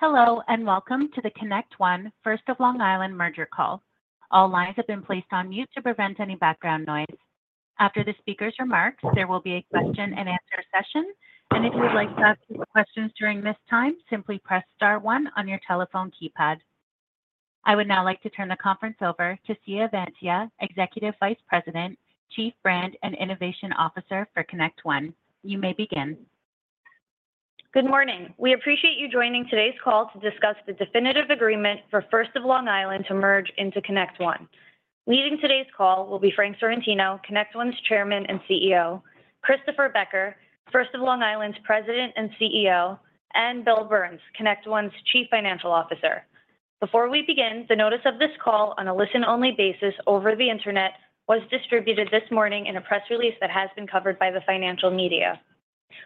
Hello, and welcome to the ConnectOne-First of Long Island merger call. All lines have been placed on mute to prevent any background noise. After the speaker's remarks, there will be a question and answer session, and if you would like to ask your questions during this time, simply press star one on your telephone keypad. I would now like to turn the conference over to Siya Vansia, Executive Vice President, Chief Brand and Innovation Officer for ConnectOne. You may begin. Good morning. We appreciate you joining today's call to discuss the definitive agreement for First of Long Island to merge into ConnectOne. Leading today's call will be Frank Sorrentino, ConnectOne's Chairman and CEO, Christopher Becker, First National Bank of Long Island's President and CEO, and Bill Burns, ConnectOne's Chief Financial Officer. Before we begin, the notice of this call on a listen-only basis over the Internet was distributed this morning in a press release that has been covered by the financial media.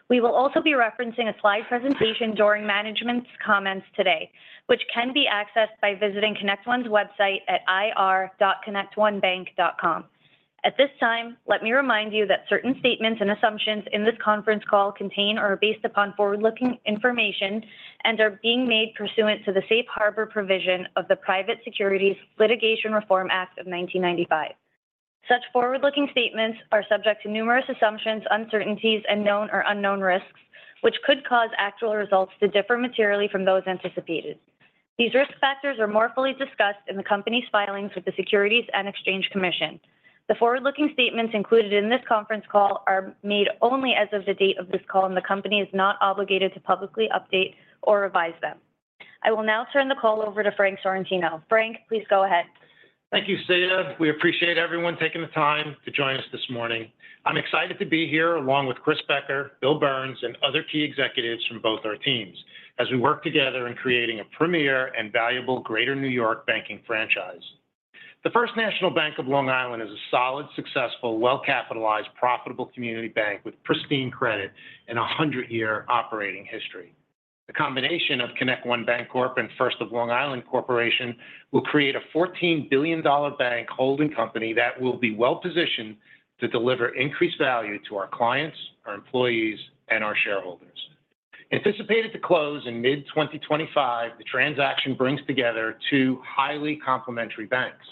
We will also be referencing a slide presentation during management's comments today, which can be accessed by visiting ConnectOne's website at ir.connectonebank.com. At this time, let me remind you that certain statements and assumptions in this conference call contain or are based upon forward-looking information and are being made pursuant to the Safe Harbor provision of the Private Securities Litigation Reform Act of 1995. Such forward-looking statements are subject to numerous assumptions, uncertainties, and known or unknown risks, which could cause actual results to differ materially from those anticipated. These risk factors are more fully discussed in the company's filings with the Securities and Exchange Commission. The forward-looking statements included in this conference call are made only as of the date of this call, and the company is not obligated to publicly update or revise them. I will now turn the call over to Frank Sorrentino. Frank, please go ahead. Thank you, Siya. We appreciate everyone taking the time to join us this morning. I'm excited to be here, along with Chris Becker, Bill Burns, and other key executives from both our teams, as we work together in creating a premier and valuable Greater New York banking franchise. The First National Bank of Long Island is a solid, successful, well-capitalized, profitable community bank with pristine credit and a 100-year operating history. The combination of ConnectOne Bancorp and First of Long Island Corporation will create a $14 billion bank holding company that will be well-positioned to deliver increased value to our clients, our employees, and our shareholders. Anticipated to close in mid-2025, the transaction brings together two highly complementary banks.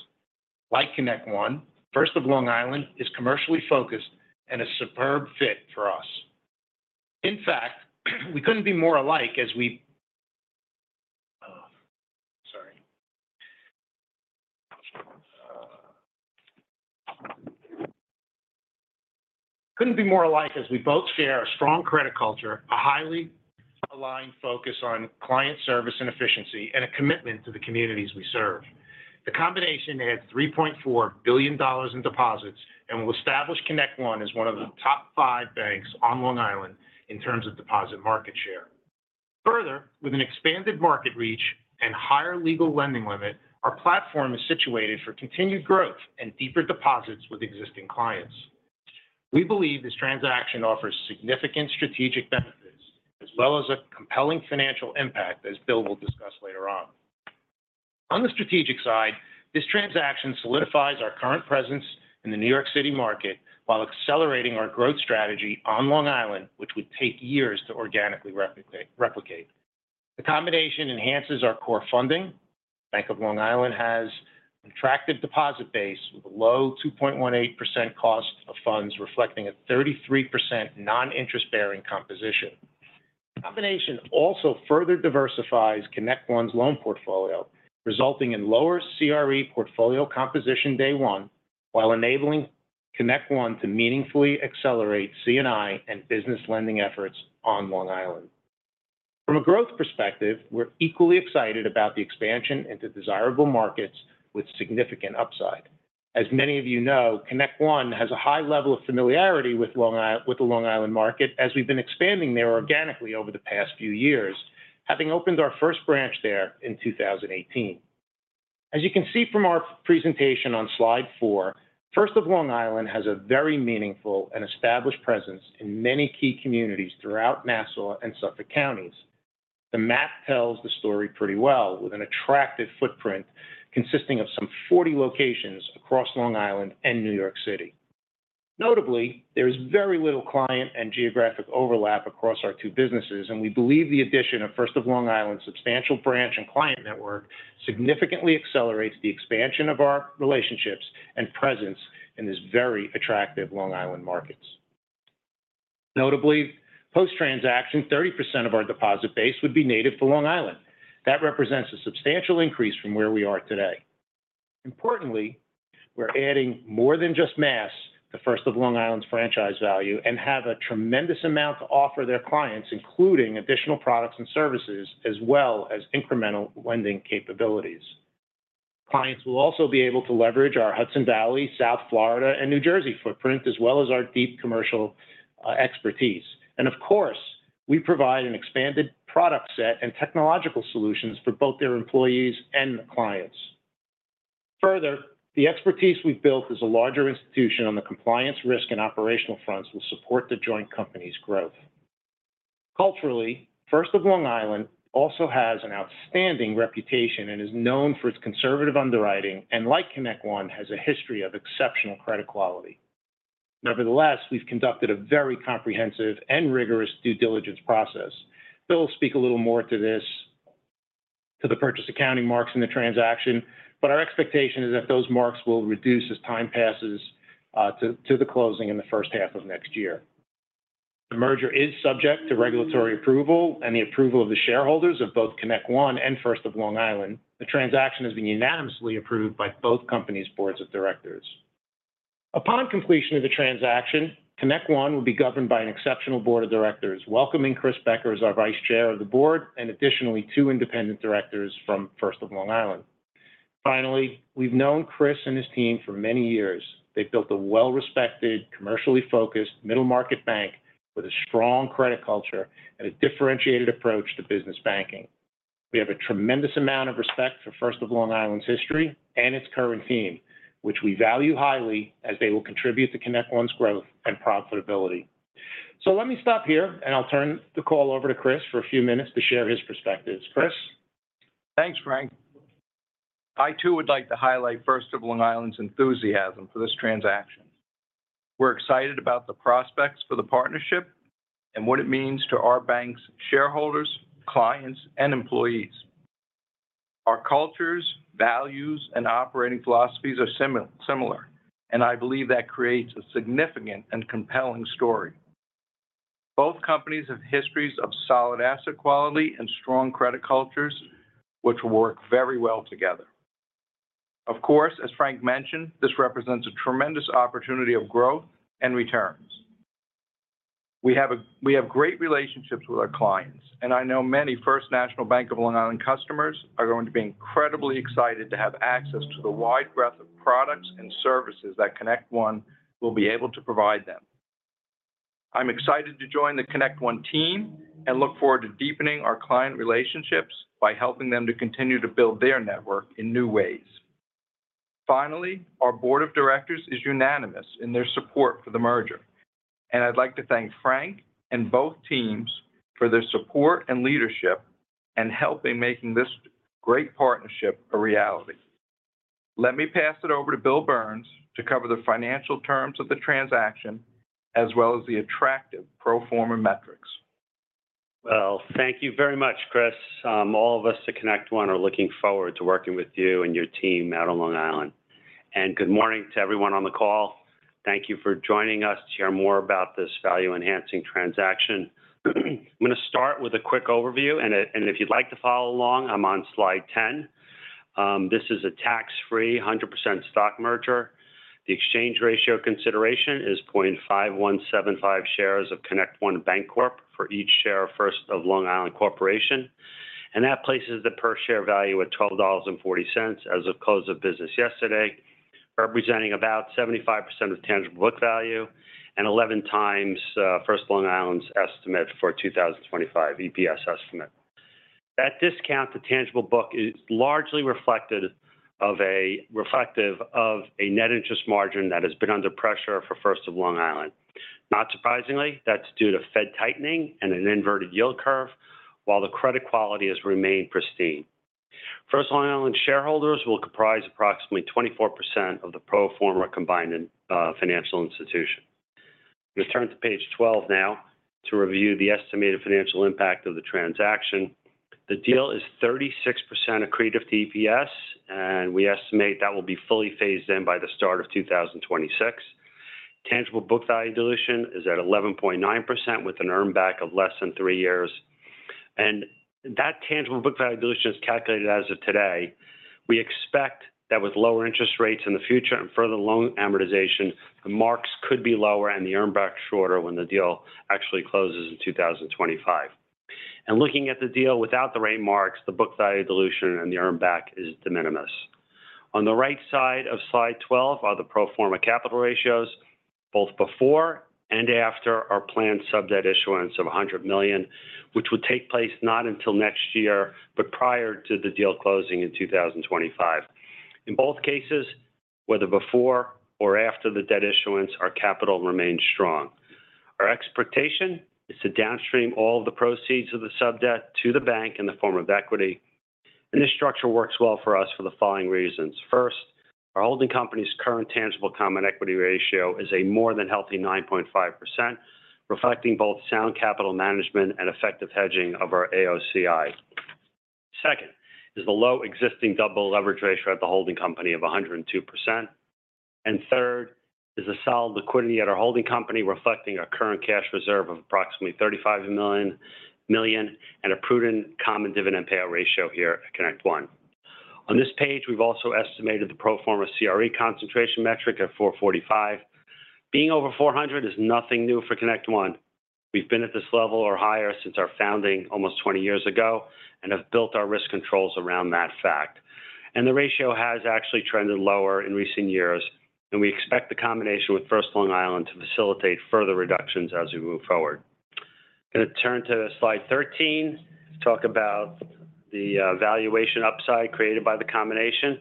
Like ConnectOne, First of Long Island is commercially focused and a superb fit for us. In fact, we couldn't be more alike as we... sorry. Couldn't be more alike as we both share a strong credit culture, a highly aligned focus on client service and efficiency, and a commitment to the communities we serve. The combination adds $3.4 billion in deposits and will establish ConnectOne as one of the top five banks on Long Island in terms of deposit market share. Further, with an expanded market reach and higher legal lending limit, our platform is situated for continued growth and deeper deposits with existing clients. We believe this transaction offers significant strategic benefits, as well as a compelling financial impact, as Bill will discuss later on. On the strategic side, this transaction solidifies our current presence in the New York City market while accelerating our growth strategy on Long Island, which would take years to organically replicate. The combination enhances our core funding. First of Long Island has attractive deposit base, with a low 2.18% cost of funds, reflecting a 33% non-interest-bearing composition. Combination also further diversifies ConnectOne's loan portfolio, resulting in lower CRE portfolio composition day one, while enabling ConnectOne to meaningfully accelerate C&I and business lending efforts on Long Island. From a growth perspective, we're equally excited about the expansion into desirable markets with significant upside. As many of you know, ConnectOne has a high level of familiarity with the Long Island market, as we've been expanding there organically over the past few years, having opened our first branch there in two thousand and eighteen. As you can see from our presentation on slide four, First of Long Island has a very meaningful and established presence in many key communities throughout Nassau and Suffolk Counties. The map tells the story pretty well, with an attractive footprint consisting of some forty locations across Long Island and New York City. Notably, there is very little client and geographic overlap across our two businesses, and we believe the addition of First of Long Island's substantial branch and client network significantly accelerates the expansion of our relationships and presence in this very attractive Long Island markets. Notably, post-transaction, 30% of our deposit base would be native to Long Island. That represents a substantial increase from where we are today. Importantly, we're adding more than just mass, the First of Long Island's franchise value, and have a tremendous amount to offer their clients, including additional products and services, as well as incremental lending capabilities. Clients will also be able to leverage our Hudson Valley, South Florida, and New Jersey footprint, as well as our deep commercial expertise. Of course, we provide an expanded product set and technological solutions for both their employees and the clients. Further, the expertise we've built as a larger institution on the compliance, risk, and operational fronts will support the joint company's growth. Culturally, First of Long Island also has an outstanding reputation and is known for its conservative underwriting, and like ConnectOne, has a history of exceptional credit quality. Nevertheless, we've conducted a very comprehensive and rigorous due diligence process. Bill will speak a little more to this, to the purchase accounting marks in the transaction, but our expectation is that those marks will reduce as time passes, to the closing in the first half of next year. The merger is subject to regulatory approval and the approval of the shareholders of both ConnectOne and First of Long Island. The transaction has been unanimously approved by both companies' boards of directors. Upon completion of the transaction, ConnectOne will be governed by an exceptional board of directors, welcoming Chris Becker as our Vice Chair of the board, and additionally, two independent directors from First of Long Island. Finally, we've known Chris and his team for many years. They've built a well-respected, commercially focused middle-market bank with a strong credit culture and a differentiated approach to business banking. We have a tremendous amount of respect for First of Long Island's history and its current team, which we value highly as they will contribute to ConnectOne's growth and profitability. So let me stop here, and I'll turn the call over to Chris for a few minutes to share his perspectives. Chris? Thanks, Frank. I, too, would like to highlight First of Long Island's enthusiasm for this transaction. We're excited about the prospects for the partnership and what it means to our bank's shareholders, clients, and employees. Our cultures, values, and operating philosophies are similar, similar, and I believe that creates a significant and compelling story. Both companies have histories of solid asset quality and strong credit cultures, which work very well together. Of course, as Frank mentioned, this represents a tremendous opportunity of growth and returns. We have great relationships with our clients, and I know many First National Bank of Long Island customers are going to be incredibly excited to have access to the wide breadth of products and services that ConnectOne will be able to provide them. I'm excited to join the ConnectOne team and look forward to deepening our client relationships by helping them to continue to build their network in new ways. Finally, our board of directors is unanimous in their support for the merger, and I'd like to thank Frank and both teams for their support and leadership and helping making this great partnership a reality. Let me pass it over to Bill Burns to cover the financial terms of the transaction, as well as the attractive pro forma metrics. Thank you very much, Chris. All of us at ConnectOne are looking forward to working with you and your team out on Long Island. Good morning to everyone on the call. Thank you for joining us to hear more about this value-enhancing transaction. I'm going to start with a quick overview, and if you'd like to follow along, I'm on slide 10. This is a tax-free, 100% stock merger. The exchange ratio consideration is 0.5175 shares of ConnectOne Bancorp for each share of First of Long Island Corporation, and that places the per share value at $12.40 as of close of business yesterday, representing about 75% of tangible book value and 11 times First Long Island's estimate for 2025 EPS estimate. That discount to tangible book is largely reflective of a net interest margin that has been under pressure for First of Long Island. Not surprisingly, that's due to Fed tightening and an inverted yield curve, while the credit quality has remained pristine. First of Long Island shareholders will comprise approximately 24% of the pro forma combined financial institution. Let's turn to page 12 now to review the estimated financial impact of the transaction. The deal is 36% accretive to EPS, and we estimate that will be fully phased in by the start of 2026. Tangible book value dilution is at 11.9%, with an earn back of less than three years. That tangible book value dilution is calculated as of today. We expect that with lower interest rates in the future and further loan amortization, the marks could be lower and the earn back shorter when the deal actually closes in 2025. And looking at the deal without the rate marks, the book value dilution and the earn back is de minimis. On the right side of slide 12 are the pro forma capital ratios, both before and after our planned sub debt issuance of $100 million, which would take place not until next year, but prior to the deal closing in 2025. In both cases, whether before or after the debt issuance, our capital remains strong. Our expectation is to downstream all the proceeds of the sub debt to the bank in the form of equity, and this structure works well for us for the following reasons: First, our holding company's current tangible common equity ratio is a more than healthy 9.5%, reflecting both sound capital management and effective hedging of our AOCI. Second, is the low existing double leverage ratio at the holding company of 102%. And third, is a solid liquidity at our holding company, reflecting a current cash reserve of approximately $35 million, and a prudent common dividend payout ratio here at ConnectOne. On this page, we've also estimated the pro forma CRE concentration metric at 445. Being over 400 is nothing new for ConnectOne. We've been at this level or higher since our founding almost 20 years ago and have built our risk controls around that fact, and the ratio has actually trended lower in recent years, and we expect the combination with First Long Island to facilitate further reductions as we move forward. I'm going to turn to slide 13 to talk about the valuation upside created by the combination.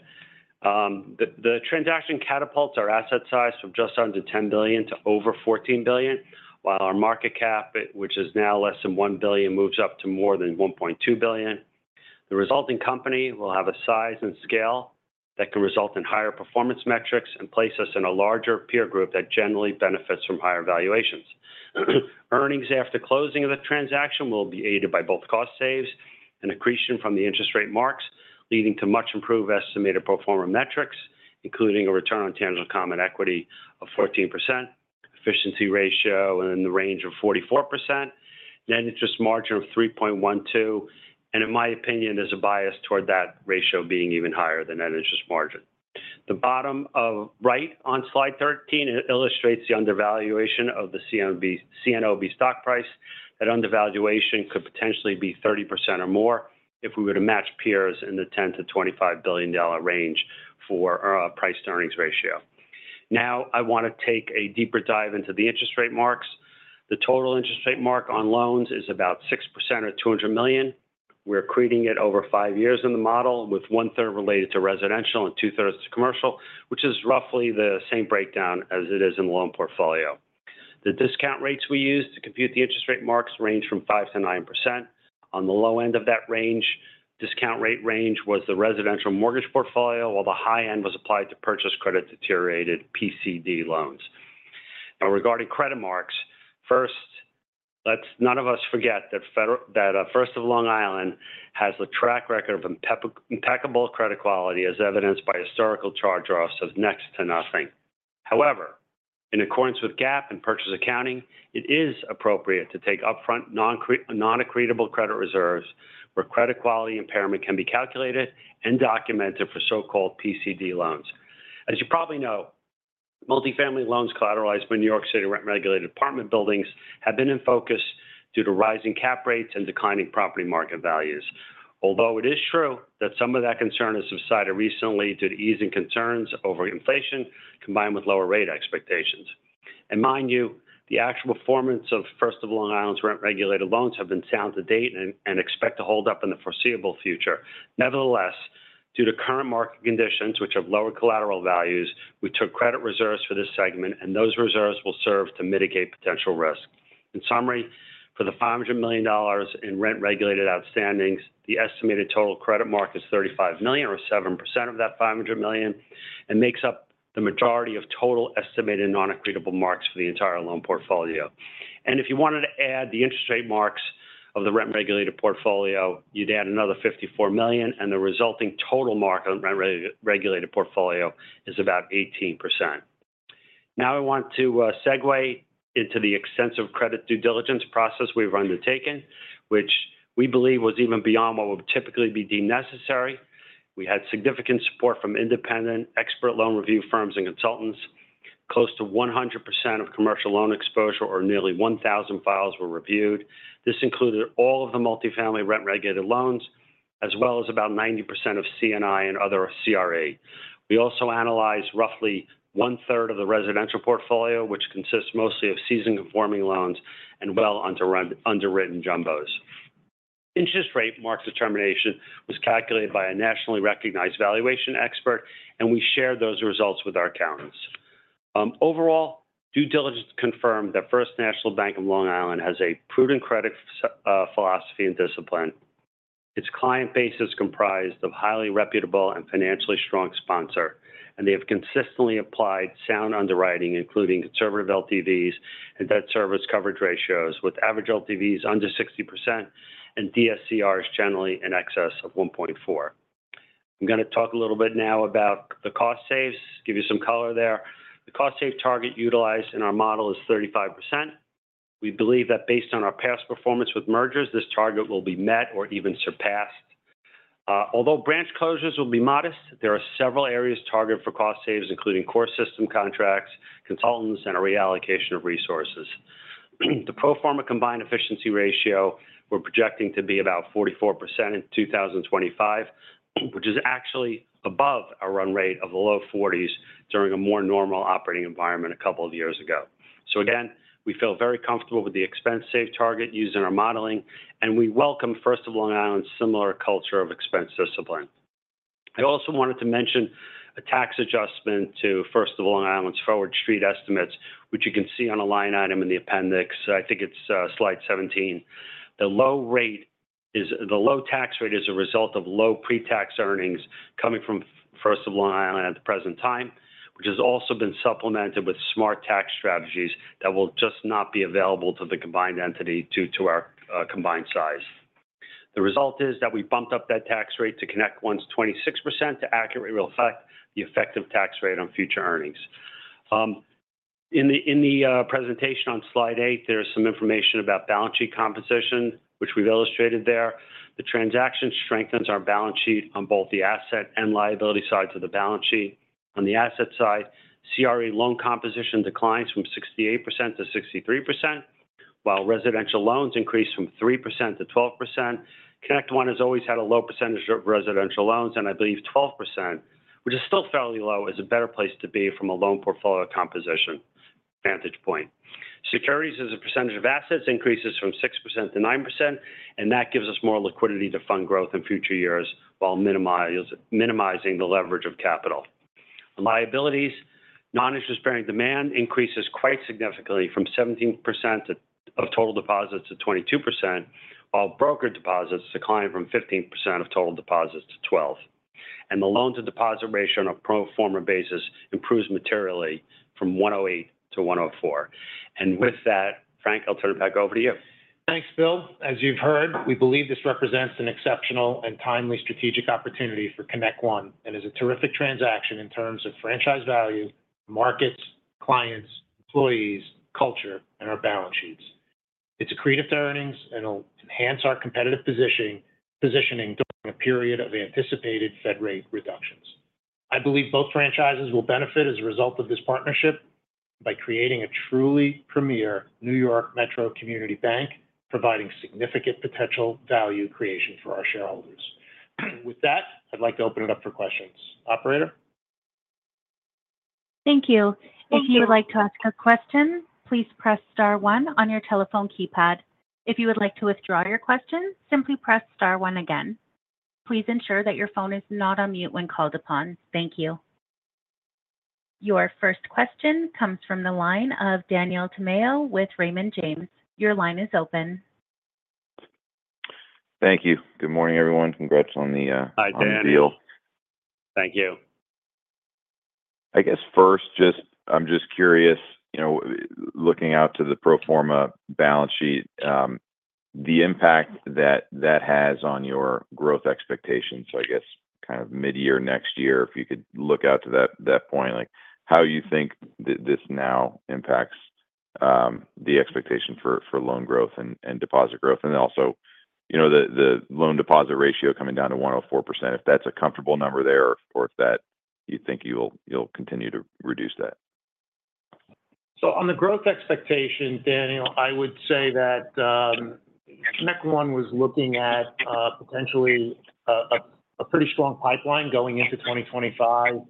The transaction catapults our asset size from just under $10 billion to over $14 billion, while our market cap, which is now less than $1 billion, moves up to more than $1.2 billion. The resulting company will have a size and scale that can result in higher performance metrics and place us in a larger peer group that generally benefits from higher valuations. Earnings after closing of the transaction will be aided by both cost savings and accretion from the interest rate marks, leading to much improved estimated pro forma metrics, including a return on tangible common equity of 14%, efficiency ratio in the range of 44%, net interest margin of 3.12, and in my opinion, there's a bias toward that ratio being even higher than net interest margin. The bottom right on slide 13 illustrates the undervaluation of the CNB-CNOB stock price. That undervaluation could potentially be 30% or more if we were to match peers in the $10-25 billion range for our price-to-earnings ratio. Now, I want to take a deeper dive into the interest rate marks. The total interest rate mark on loans is about 6% or $200 million. We're accreting it over five years in the model, with one-third related to residential and two-thirds to commercial, which is roughly the same breakdown as it is in the loan portfolio. The discount rates we use to compute the interest rate marks range from 5%-9%. On the low end of that range, discount rate range was the residential mortgage portfolio, while the high end was applied to purchased credit-deteriorated PCD loans. Now, regarding credit marks, first, let's none of us forget that First of Long Island has a track record of impeccable credit quality, as evidenced by historical charge-offs of next to nothing. However, in accordance with GAAP and purchase accounting, it is appropriate to take upfront non-accretable credit reserves, where credit quality impairment can be calculated and documented for so-called PCD loans. As you probably know, multifamily loans collateralized by New York City rent-regulated apartment buildings have been in focus due to rising cap rates and declining property market values. Although it is true that some of that concern has subsided recently due to easing concerns over inflation, combined with lower rate expectations. And mind you, the actual performance of First of Long Island's rent-regulated loans have been sound to date and expect to hold up in the foreseeable future. Nevertheless, due to current market conditions, which have lower collateral values, we took credit reserves for this segment, and those reserves will serve to mitigate potential risk. In summary, for the $500 million in rent-regulated outstandings, the estimated total credit mark is $35 million, or 7% of that $500 million, and makes up the majority of total estimated non-accretable marks for the entire loan portfolio. And if you wanted to add the interest rate marks of the rent-regulated portfolio, you'd add another $54 million, and the resulting total mark on rent-regulated portfolio is about 18%. Now, I want to segue into the extensive credit due diligence process we've undertaken, which we believe was even beyond what would typically be deemed necessary. We had significant support from independent expert loan review firms and consultants. Close to 100% of commercial loan exposure, or nearly 1,000 files, were reviewed. This included all of the multifamily rent-regulated loans, as well as about 90% of C&I and other CRE. We also analyzed roughly one-third of the residential portfolio, which consists mostly of seasoned-performing loans and well underwritten jumbos. Interest rate marks determination was calculated by a nationally recognized valuation expert, and we shared those results with our accountants. Overall, due diligence confirmed that First National Bank of Long Island has a prudent credit philosophy and discipline. Its client base is comprised of highly reputable and financially strong sponsor, and they have consistently applied sound underwriting, including conservative LTVs and debt service coverage ratios, with average LTVs under 60% and DSCRs generally in excess of 1.4. I'm going to talk a little bit now about the cost saves, give you some color there. The cost save target utilized in our model is 35%. We believe that based on our past performance with mergers, this target will be met or even surpassed. Although branch closures will be modest, there are several areas targeted for cost saves, including core system contracts, consultants, and a reallocation of resources. The pro forma combined efficiency ratio we're projecting to be about 44% in 2025, which is actually above our run rate of the low 40s during a more normal operating environment a couple of years ago. So again, we feel very comfortable with the expense save target used in our modeling, and we welcome First of Long Island's similar culture of expense discipline. I also wanted to mention a tax adjustment to First of Long Island's forward Street estimates, which you can see on a line item in the appendix. I think it's slide 17. The low tax rate is a result of low pre-tax earnings coming from First of Long Island at the present time, which has also been supplemented with smart tax strategies that will just not be available to the combined entity due to our combined size. The result is that we bumped up that tax rate to ConnectOne's 26% to accurately reflect the effective tax rate on future earnings. In the presentation on slide eight, there is some information about balance sheet composition, which we've illustrated there. The transaction strengthens our balance sheet on both the asset and liability sides of the balance sheet. On the asset side, CRE loan composition declines from 68% to 63%, while residential loans increase from 3% to 12%. ConnectOne has always had a low percentage of residential loans, and I believe 12%, which is still fairly low, is a better place to be from a loan portfolio composition vantage point. Securities as a percentage of assets increases from 6% to 9%, and that gives us more liquidity to fund growth in future years while minimizing the leverage of capital. The liabilities, non-interest-bearing demand increases quite significantly from 17% of total deposits to 22%, while broker deposits decline from 15% of total deposits to 12%. The loan-to-deposit ratio on a pro forma basis improves materially from 108 to 104. With that, Frank, I'll turn it back over to you. Thanks, Bill. As you've heard, we believe this represents an exceptional and timely strategic opportunity for ConnectOne, and is a terrific transaction in terms of franchise value, markets, clients, employees, culture, and our balance sheets. It's accretive to earnings, and it'll enhance our competitive positioning during a period of anticipated Fed rate reductions. I believe both franchises will benefit as a result of this partnership by creating a truly premier New York Metro Community Bank, providing significant potential value creation for our shareholders. With that, I'd like to open it up for questions. Operator? Thank you. If you'd like to ask a question, please press star one on your telephone keypad. If you would like to withdraw your question, simply press star one again. Please ensure that your phone is not on mute when called upon. Thank you. Your first question comes from the line of Daniel Tamayo with Raymond James. Your line is open. Thank you. Good morning, everyone. Congrats on the, Hi, Dan - on the deal. Thank you. I guess first, just, I'm just curious, you know, looking out to the pro forma balance sheet, the impact that that has on your growth expectations. So I guess kind of midyear next year, if you could look out to that point, like, how you think this now impacts the expectation for loan growth and deposit growth? And then also, you know, the loan deposit ratio coming down to 104%, if that's a comfortable number there, or if that you think you'll continue to reduce that. So on the growth expectation, Daniel, I would say that ConnectOne was looking at potentially a pretty strong pipeline going into 2025.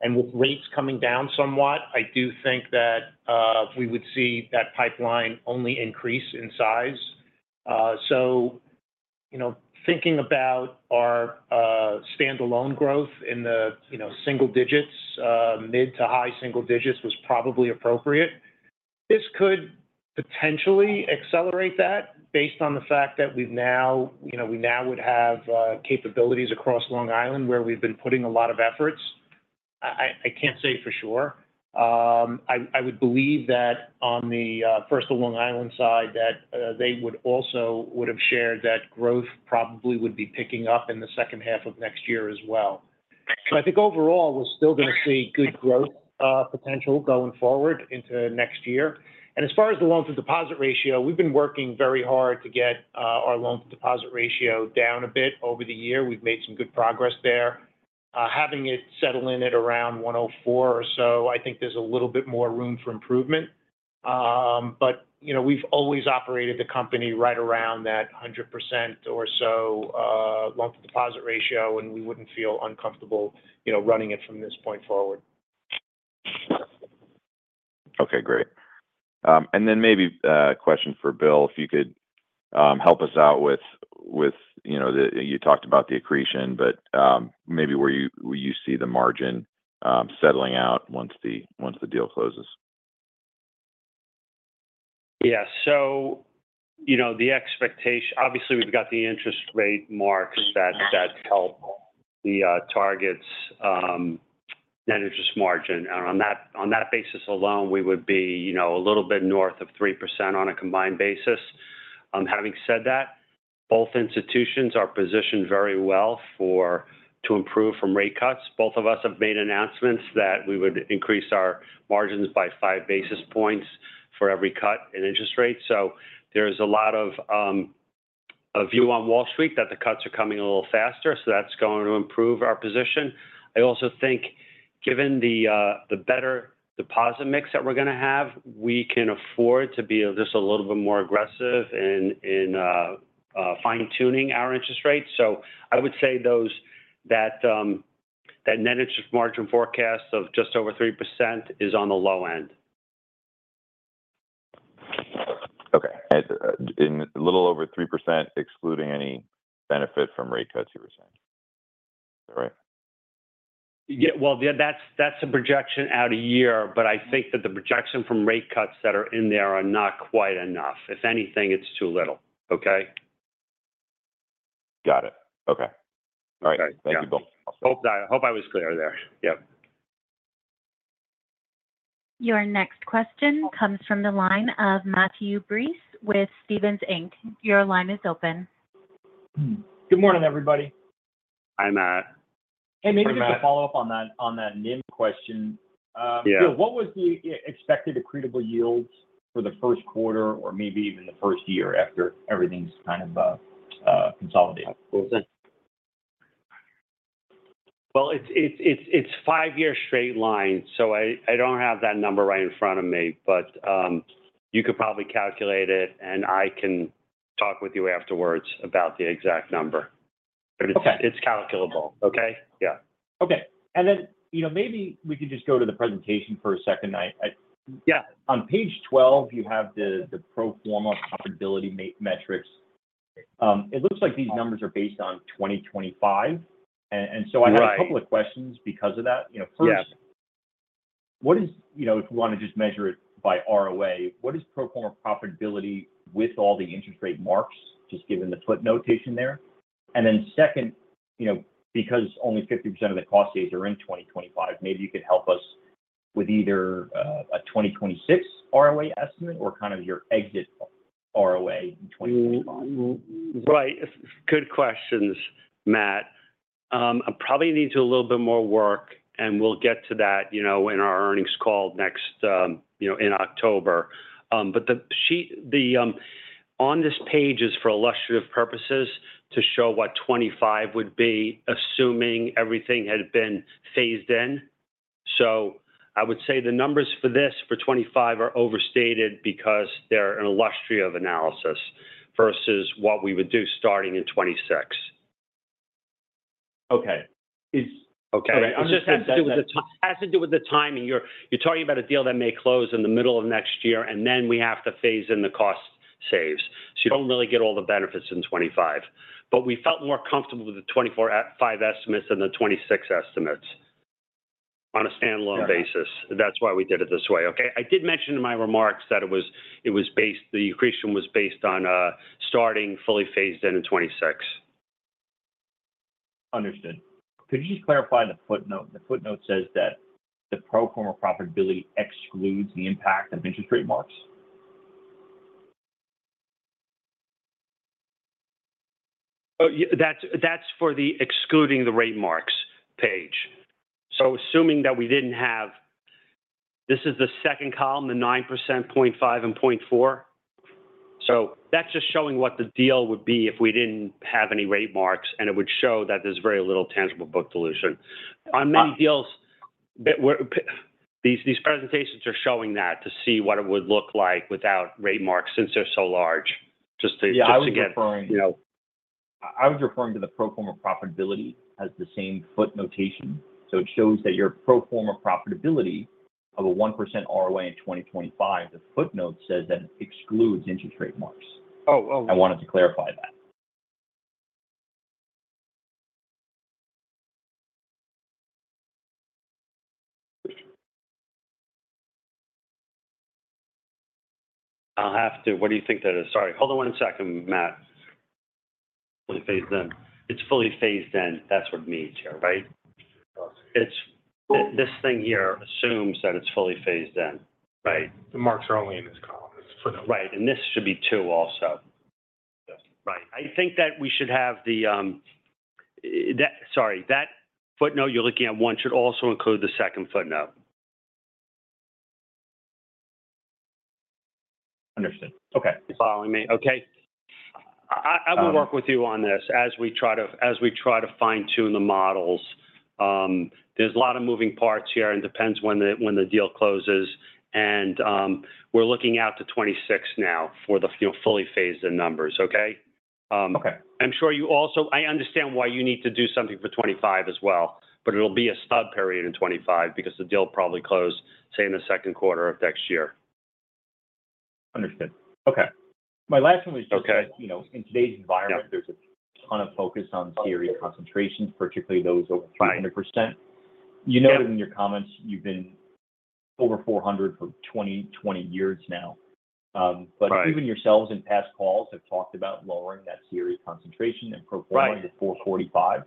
And with rates coming down somewhat, I do think that we would see that pipeline only increase in size. So you know, thinking about our standalone growth in the single digits, mid to high single digits was probably appropriate. This could potentially accelerate that based on the fact that we've now, you know, we now would have capabilities across Long Island, where we've been putting a lot of efforts. I can't say for sure. I would believe that on the First Long Island side, that they would also would have shared that growth probably would be picking up in the second half of next year as well. So I think overall, we're still going to see good growth, potential going forward into next year. And as far as the loan-to-deposit ratio, we've been working very hard to get our loan-to-deposit ratio down a bit over the year. We've made some good progress there. Having it settle in at around 104 or so, I think there's a little bit more room for improvement. But, you know, we've always operated the company right around that 100% or so, loan-to-deposit ratio, and we wouldn't feel uncomfortable, you know, running it from this point forward. Okay, great. And then maybe a question for Bill, if you could help us out with you know the... You talked about the accretion, but maybe where you see the margin settling out once the deal closes? Yeah. So, you know, the expectation, obviously, we've got the interest rate marks that help the targets net interest margin. And on that basis alone, we would be, you know, a little bit north of 3% on a combined basis. Having said that, both institutions are positioned very well to improve from rate cuts. Both of us have made announcements that we would increase our margins by five basis points for every cut in interest rates. So there's a lot of a view on Wall Street that the cuts are coming a little faster, so that's going to improve our position. I also think, given the better deposit mix that we're going to have, we can afford to be just a little bit more aggressive in fine-tuning our interest rates. So I would say that net interest margin forecast of just over 3% is on the low end. Okay. And a little over 3%, excluding any benefit from rate cuts, you were saying. Is that right? Yeah. Well, yeah, that's, that's a projection out a year, but I think that the projection from rate cuts that are in there are not quite enough. If anything, it's too little. Okay? Got it. Okay. All right. Thank you, Bill. I hope I was clear there. Yep. Your next question comes from the line of Matthew Breese with Stephens Inc. Your line is open. Good morning, everybody. Hi, Matt. Hey, maybe just to follow up on that, on that NIM question. Yeah. So what was the expected accretable yields for the first quarter or maybe even the first year after everything's kind of consolidated? It's five-year straight line, so I don't have that number right in front of me. But you could probably calculate it, and I can talk with you afterwards about the exact number. Okay. But it's, it's calculable. Okay? Yeah. Okay. And then, you know, maybe we could just go to the presentation for a second. Yeah. On page 12, you have the pro forma profitability metrics. It looks like these numbers are based on 2025, and so- Right. I have a couple of questions because of that. You know- Yeah first, what is, you know, if you want to just measure it by ROA, what is pro forma profitability with all the interest rate marks, just given the footnote there? And then second, you know, because only 50% of the cost saves are in 2025, maybe you could help us with either, a 2026 ROA estimate or kind of your exit ROA in 2025. Right. Good questions, Matt. I probably need to do a little bit more work, and we'll get to that, you know, in our earnings call next, you know, in October. But the sheet on this page is for illustrative purposes to show what 2025 would be, assuming everything had been phased in. So I would say the numbers for this, for 2025 are overstated because they're an illustrative analysis versus what we would do starting in 2026. Okay. Is- Okay. It just has to do with the timing. You're talking about a deal that may close in the middle of next year, and then we have to phase in the cost saves. So you don't really get all the benefits in 2025. But we felt more comfortable with the 2025 estimates than the 2026 estimates on a standalone basis. Yeah. That's why we did it this way, okay? I did mention in my remarks that it was based- the accretion was based on starting fully phased in in 2026. Understood. Could you just clarify the footnote? The footnote says that the pro forma profitability excludes the impact of interest rate marks. Oh, yeah, that's for the excluding the rate marks page. So assuming that we didn't have. This is the second column, the 9%, 0.5 and 0.4. So that's just showing what the deal would be if we didn't have any rate marks, and it would show that there's very little tangible book dilution. On many deals, but these presentations are showing that to see what it would look like without rate marks since they're so large. Just to- Yeah. just to get, you know I was referring to the pro forma profitability as the same footnote. So it shows that your pro forma profitability of a 1% ROA in 2025, the footnote says that it excludes interest rate marks. Oh, oh. I wanted to clarify that. I'll have to. What do you think that is? Sorry, hold on one second, Matt. Fully phased in. It's fully phased in. That's what it means here, right? Absolutely. It's this thing here assumes that it's fully phased in. Right. The marks are only in this column. It's for the- Right, and this should be two also. Yes. Right. I think that we should have the, sorry, that footnote you're looking at, one, should also include the second footnote. Understood. Okay. You following me? Okay. Um- I will work with you on this as we try to fine-tune the models. There's a lot of moving parts here, and it depends when the deal closes, and we're looking out to 2026 now for the fully phased-in numbers. Okay? Okay. I'm sure you also. I understand why you need to do something for 2025 as well, but it'll be a stub period in 2025 because the deal will probably close, say, in the second quarter of next year. Understood. Okay. My last one was just- Okay. You know, in today's environment. Yeah. there's a ton of focus on theoretical concentrations, particularly those over 500%. Right. You noted in your comments you've been over 400 for 2020 years now. Right but even yourselves in past calls have talked about lowering that CRE concentration and pro forma- Right. to 445. Right.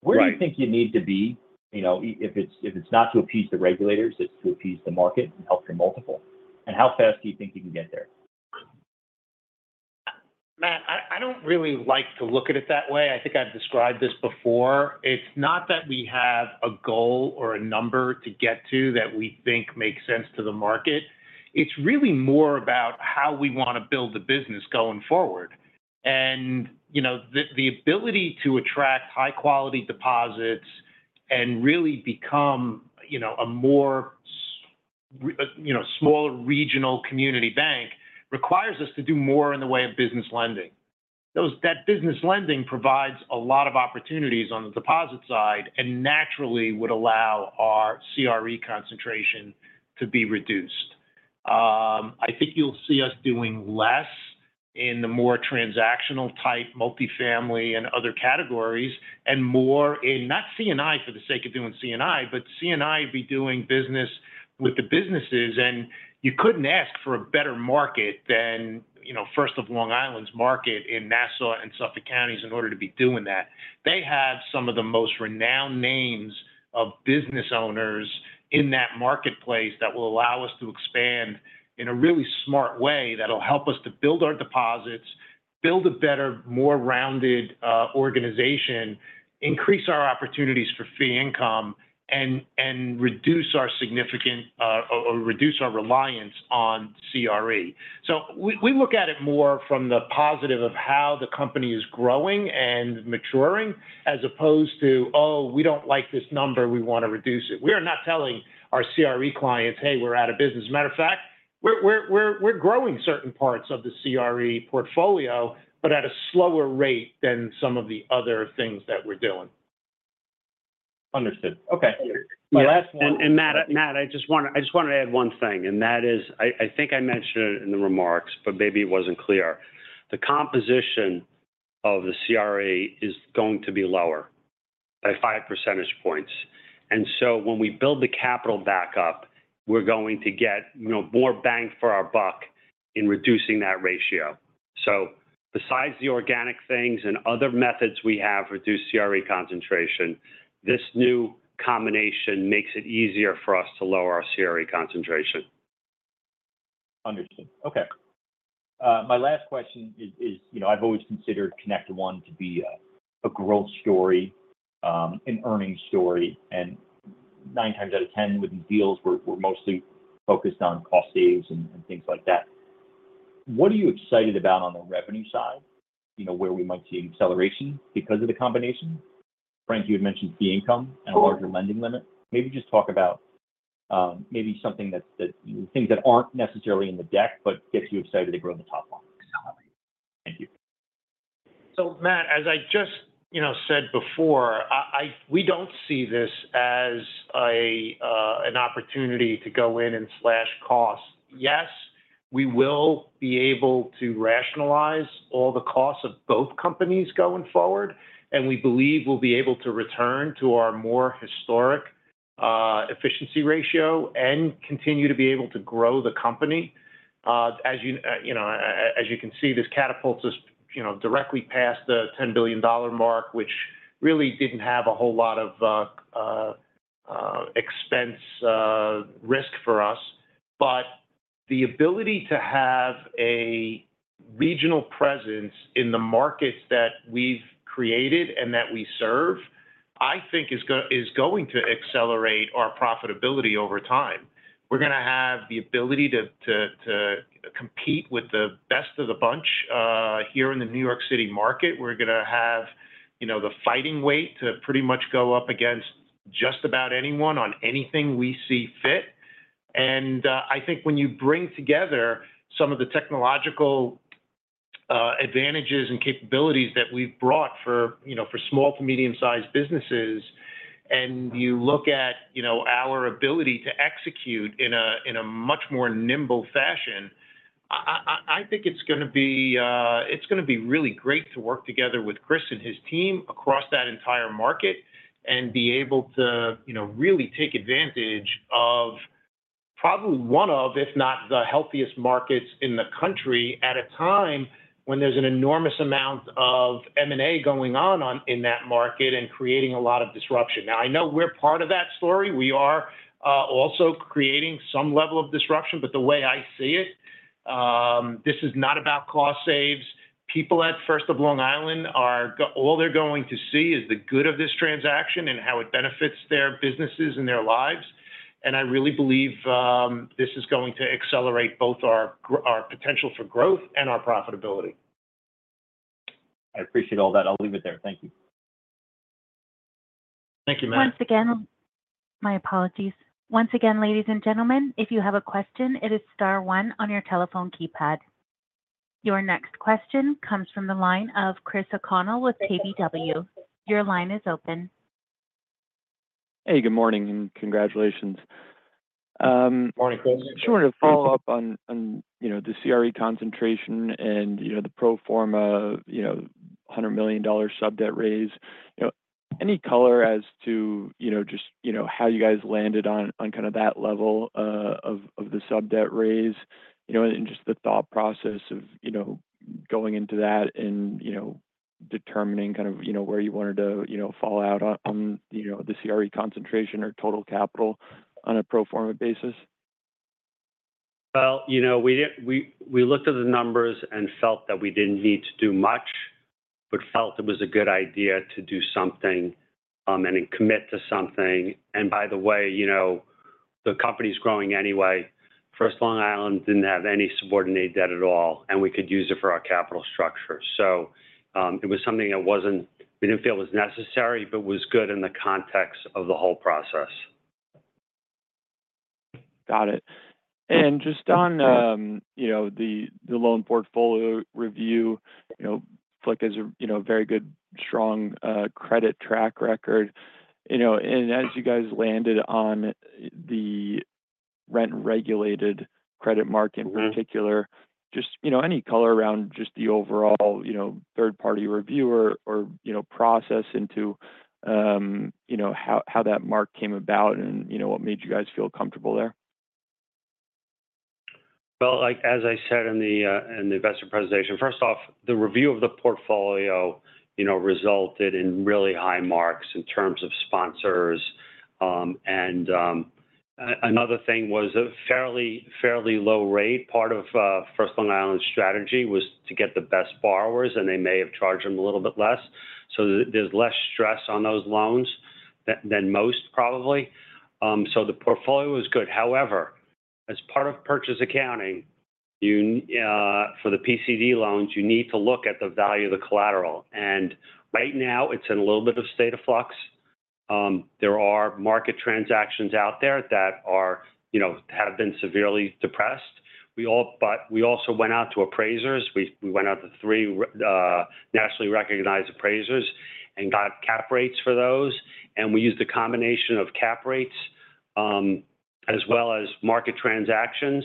Where do you think you need to be? You know, if it's not to appease the regulators, it's to appease the market and help your multiple, and how fast do you think you can get there? Matt, I don't really like to look at it that way. I think I've described this before. It's not that we have a goal or a number to get to that we think makes sense to the market. It's really more about how we want to build the business going forward. And, you know, the ability to attract high-quality deposits and really become, you know, a more you know small regional community bank requires us to do more in the way of business lending. That business lending provides a lot of opportunities on the deposit side and naturally would allow our CRE concentration to be reduced. I think you'll see us doing less in the more transactional type, multifamily and other categories, and more in, not C&I for the sake of doing C&I, but C&I by doing business with the businesses, and you couldn't ask for a better market than, you know, First of Long Island's market in Nassau and Suffolk Counties in order to be doing that. They have some of the most renowned names of business owners in that marketplace that will allow us to expand in a really smart way, that'll help us to build our deposits, build a better, more rounded organization, increase our opportunities for fee income, and reduce our significant reliance on CRE. So we look at it more from the positive of how the company is growing and maturing, as opposed to, "Oh, we don't like this number, we want to reduce it." We are not telling our CRE clients, "Hey, we're out of business." As a matter of fact, we're growing certain parts of the CRE portfolio, but at a slower rate than some of the other things that we're doing. Understood. Okay, last- And, Matt, I just wanna add one thing, and that is, I think I mentioned it in the remarks, but maybe it wasn't clear. The composition of the CRE is going to be lower by five percentage points. And so when we build the capital back up, we're going to get, you know, more bang for our buck in reducing that ratio. So besides the organic things and other methods we have to reduce CRE concentration, this new combination makes it easier for us to lower our CRE concentration. Understood. Okay. My last question is, you know, I've always considered ConnectOne to be a, a growth story, an earnings story, and nine times out of ten with deals we're mostly focused on cost saves and things like that. What are you excited about on the revenue side, you know, where we might see acceleration because of the combination? Frank, you had mentioned fee income and a larger lending limit. Maybe just talk about, maybe something that's things that aren't necessarily in the deck but gets you excited to grow in the top line. Thank you. So Matt, as I just, you know, said before, we don't see this as an opportunity to go in and slash costs. Yes, we will be able to rationalize all the costs of both companies going forward, and we believe we'll be able to return to our more historic efficiency ratio and continue to be able to grow the company. As you, you know, as you can see, this catapults us, you know, directly past the $10 billion mark, which really didn't have a whole lot of expense risk for us. But the ability to have a regional presence in the markets that we've created and that we serve, I think is going to accelerate our profitability over time. We're gonna have the ability to compete with the best of the bunch here in the New York City market. We're gonna have, you know, the fighting weight to pretty much go up against just about anyone on anything we see fit. I think when you bring together some of the technological advantages and capabilities that we've brought for, you know, for small to medium-sized businesses, and you look at, you know, our ability to execute in a much more nimble fashion. I think it's gonna be really great to work together with Chris and his team across that entire market and be able to, you know, really take advantage of probably one of, if not, the healthiest markets in the country at a time when there's an enormous amount of M&A going on in that market and creating a lot of disruption. Now, I know we're part of that story. We are also creating some level of disruption, but the way I see it, this is not about cost saves. People at First of Long Island are all they're going to see is the good of this transaction and how it benefits their businesses and their lives, and I really believe this is going to accelerate both our potential for growth and our profitability. I appreciate all that. I'll leave it there. Thank you. Thank you, Matt. Once again. My apologies. Once again, ladies and gentlemen, if you have a question, it is star one on your telephone keypad. Your next question comes from the line of Chris O'Connell with KBW. Your line is open. Hey, good morning, and congratulations. Morning, Chris. Just to follow up on, you know, the CRE concentration and, you know, the pro forma, you know, $100 million sub-debt raise. You know, any color as to, you know, just, you know, how you guys landed on kind of that level of the sub-debt raise, you know, and just the thought process of, you know, going into that and, you know, determining kind of, you know, where you wanted to, you know, fall out on, you know, the CRE concentration or total capital on a pro forma basis? You know, we looked at the numbers and felt that we didn't need to do much, but felt it was a good idea to do something, and then commit to something. And by the way, you know, the company's growing anyway. First of Long Island didn't have any subordinate debt at all, and we could use it for our capital structure. So, it was something that wasn't, we didn't feel was necessary, but was good in the context of the whole process. Got it. And just on, you know, the loan portfolio review, you know, FLIC has a, you know, very good, strong, credit track record, you know, and as you guys landed on the rent-regulated credit mark in particular- Mm-hmm. just, you know, any color around, just the overall, you know, third-party review or, you know, process into, you know, how that mark came about and, you know, what made you guys feel comfortable there? Like, as I said in the investor presentation, first off, the review of the portfolio, you know, resulted in really high marks in terms of sponsors. Another thing was a fairly low rate. Part of First of Long Island strategy was to get the best borrowers, and they may have charged them a little bit less. So there's less stress on those loans than most probably. So the portfolio is good. However, as part of purchase accounting, for the PCD loans, you need to look at the value of the collateral, and right now, it's in a little bit of state of flux. There are market transactions out there that are, you know, have been severely depressed, but we also went out to appraisers. We went out to three nationally recognized appraisers and got cap rates for those, and we used a combination of cap rates as well as market transactions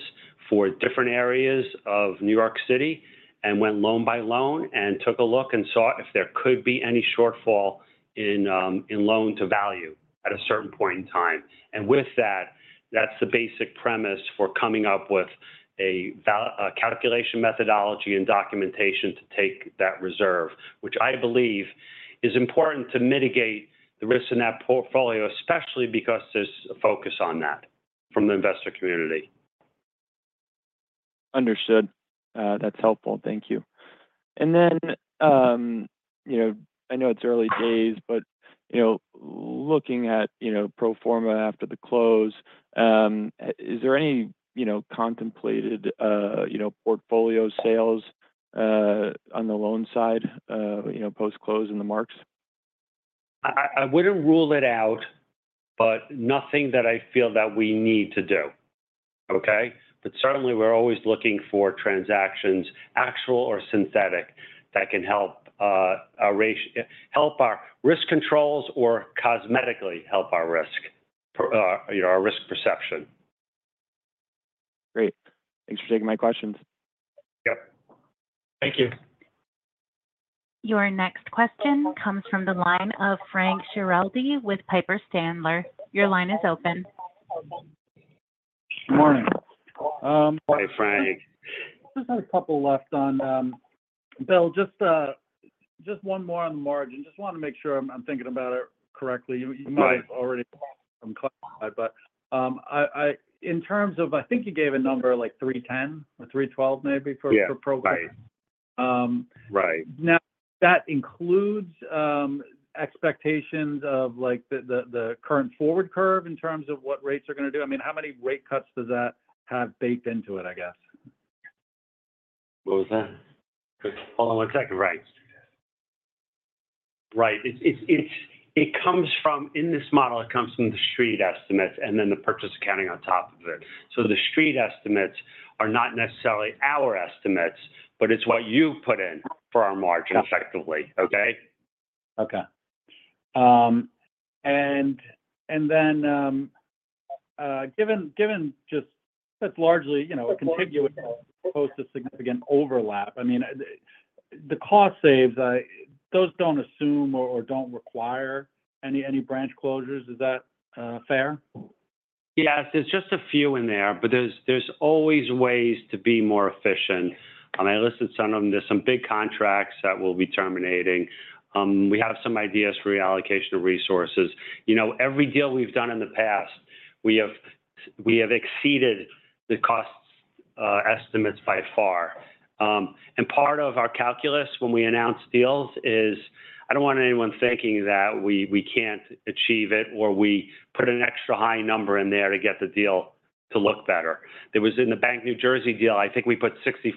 for different areas of New York City, and went loan by loan and took a look and saw if there could be any shortfall in loan to value at a certain point in time. And with that, that's the basic premise for coming up with a calculation methodology and documentation to take that reserve, which I believe is important to mitigate the risks in that portfolio, especially because there's a focus on that from the investor community. Understood. That's helpful. Thank you. And then, you know, I know it's early days, but, you know, looking at, you know, pro forma after the close, is there any, you know, contemplated, you know, portfolio sales on the loan side, you know, post-close in the marks? I wouldn't rule it out, but nothing that I feel that we need to do. Okay? But certainly we're always looking for transactions, actual or synthetic, that can help our risk controls or cosmetically help our risk perception, you know. Great. Thanks for taking my questions. Yep. Thank you. Your next question comes from the line of Frank Schiraldi with Piper Sandler. Your line is open. Good morning. Hi, Frank. Just have a couple left on, Bill, just one more on the margin. Just wanna make sure I'm thinking about it correctly. Right. You might have already explained, but, in terms of, I think you gave a number, like three ten or three twelve maybe for- Yeah - for pro forma. Right. Um- Right. Now, that includes expectations of, like, the current forward curve in terms of what rates are gonna do? I mean, how many rate cuts does that have baked into it, I guess? What was that? Oh, exactly, right. Right. It comes from... In this model, it comes from the Street estimates and then the purchase accounting on top of it. So the Street estimates are not necessarily our estimates, but it's what you put in for our margin- Got it. effectively. Okay? Okay. And then, given that that's largely, you know, a continuation as opposed to significant overlap, I mean, the cost savings, those don't assume or don't require any branch closures. Is that fair? Yes, there's just a few in there, but there's always ways to be more efficient, and I listed some of them. There's some big contracts that we'll be terminating. We have some ideas for reallocation of resources. You know, every deal we've done in the past, we have exceeded the cost estimates by far, and part of our calculus when we announce deals is I don't want anyone thinking that we can't achieve it, or we put an extra high number in there to get the deal to look better. It was in the Bank of New Jersey deal, I think we put 65%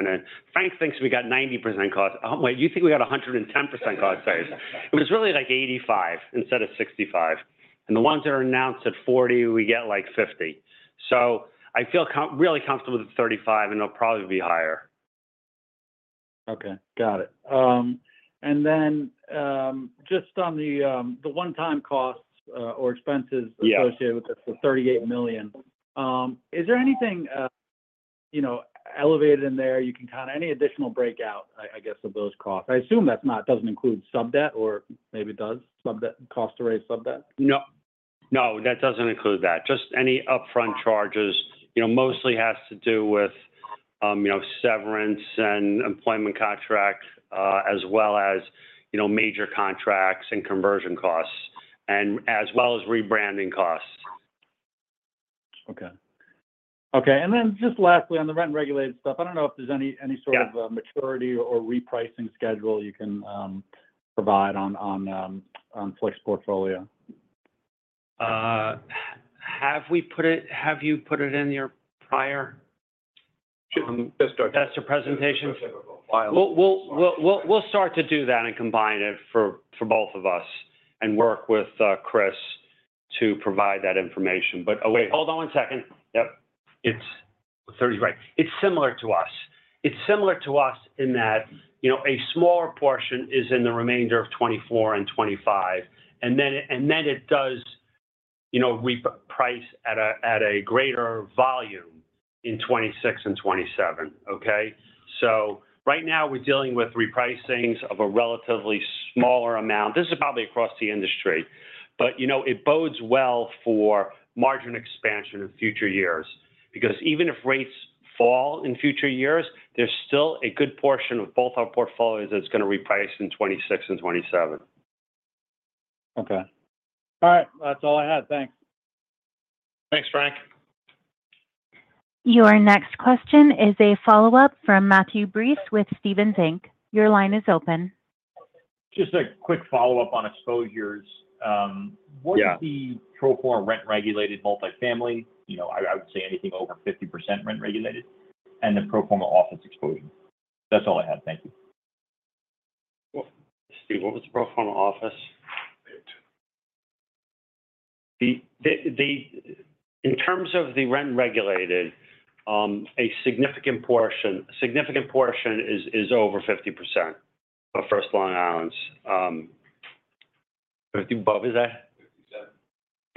in. Frank thinks we got 90% cost. Oh, wait, you think we got 110% cost savings. It was really, like, 85% instead of 65%. And the ones that are announced at 40, we get, like, 50. So I feel really comfortable with the 35, and it'll probably be higher. Okay. Got it. And then, just on the one-time costs, or expenses- Yeah - associated with the thirty-eight million, is there anything, you know, elevated in there you can count? Any additional breakout, I guess, of those costs? I assume that doesn't include sub-debt or maybe it does, sub-debt, cost to raise sub-debt. No. No, that doesn't include that. Just any upfront charges, you know, mostly has to do with, you know, severance and employment contracts, as well as, you know, major contracts and conversion costs, and as well as rebranding costs. Okay. Okay, and then just lastly, on the rent-regulated stuff, I don't know if there's any sort of- Yeah -maturity or repricing schedule you can provide on FLIC's portfolio? Have you put it in your prior- Just our- That's your presentation? File. We'll start to do that and combine it for both of us and work with Chris to provide that information. But. Oh, wait, hold on one second. Yep. It's thirty, right. It's similar to us in that, you know, a smaller portion is in the remainder of 2024 and 2025, and then it does, you know, reprice at a greater volume in 2026 and 2027. Okay? So right now we're dealing with repricings of a relatively smaller amount. This is probably across the industry, but, you know, it bodes well for margin expansion in future years. Because even if rates fall in future years, there's still a good portion of both our portfolios that's gonna reprice in 2026 and 2027. Okay. All right. That's all I had. Thanks. Thanks, Frank. Your next question is a follow-up from Matthew Breese with Stephens Inc. Your line is open. Just a quick follow-up on exposures. Yeah. What's the pro forma rent-regulated multifamily? You know, I, I would say anything over 50% rent-regulated and the pro forma office exposure. That's all I had. Thank you. Well, Steve, what was the pro forma office? Eight. In terms of the rent-regulated, a significant portion is over 50% of First of Long Island. 50 above, is that?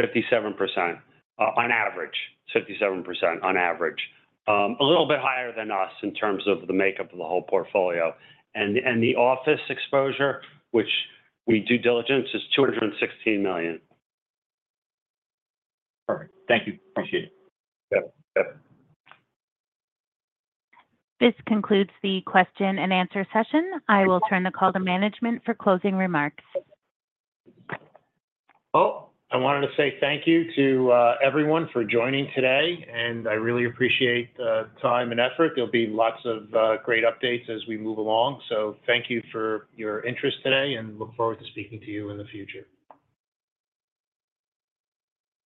Fifty-seven. 57% on average. 57% on average. A little bit higher than us in terms of the makeup of the whole portfolio. And the office exposure, which we due diligence, is $216 million. Perfect. Thank you. Appreciate it. Yep. Yep. This concludes the question and answer session. I will turn the call to management for closing remarks. I wanted to say thank you to everyone for joining today, and I really appreciate the time and effort. There'll be lots of great updates as we move along. Thank you for your interest today, and look forward to speaking to you in the future.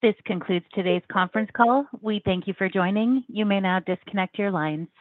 This concludes today's conference call. We thank you for joining. You may now disconnect your lines.